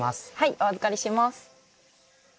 お預かりします。